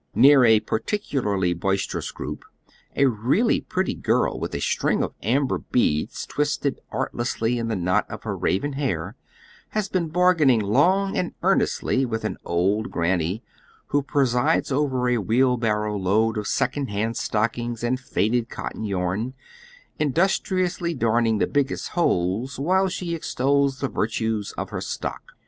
Kear a particularly boistei'ous gronp, a really pretty gii'l with a string of amber beads twisted artlessly in the knot of her raven hair has been bargainhig long and earnestly with an old granny, who presides over a wheel barrow load of second hand stockings and faded cotton yarn, industri ously darning the biggest holes while she extols the vir tues of her stock.